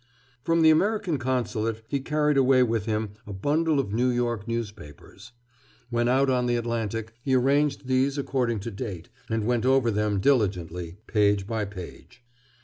From the American consulate he carried away with him a bundle of New York newspapers. When out on the Atlantic he arranged these according to date and went over them diligently, page by page.